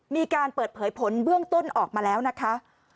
มีการเปิดเผยผลเบื้องต้นออกมาแล้วนะคะ